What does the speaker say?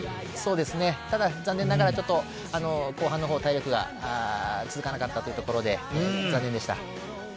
ただ、残念ながら後半の方体力が続かなかったというところで残念でした。